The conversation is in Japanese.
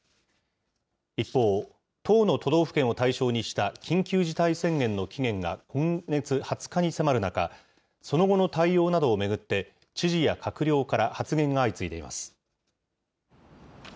一方、１０の都道府県を対象にした緊急事態宣言の期限が今月２０日に迫る中、その後の対応などを巡って、知事や閣僚から発言が相次いでいます。